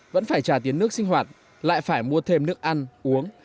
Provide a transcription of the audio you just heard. vẫn phải trả tiền nước sinh hoạt lại phải mua thêm nước ăn uống